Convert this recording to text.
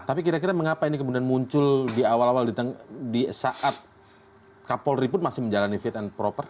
tapi kira kira mengapa ini kemudian muncul di awal awal di saat kapolri pun masih menjalani fit and propert